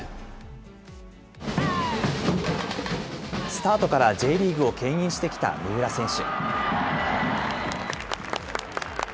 スタートからＪリーグをけん引してきた三浦選手。